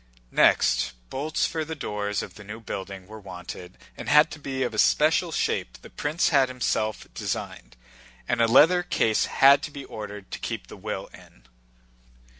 Next, bolts for the doors of the new building were wanted and had to be of a special shape the prince had himself designed, and a leather case had to be ordered to keep the "will" in.